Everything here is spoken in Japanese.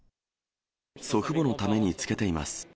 祖父母のためにつけています。